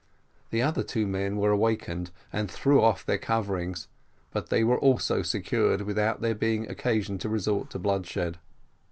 The other two men were awaked, and threw off their coverings, but they were also secured without there being occasion to resort to bloodshed.